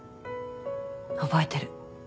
覚えてる。